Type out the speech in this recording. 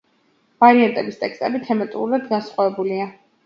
ვარიანტების ტექსტები თემატიკურად განსხვავებულია.